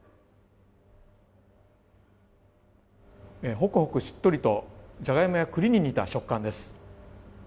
ホクホク、しっとりとジャガイモや栗に似た食感です。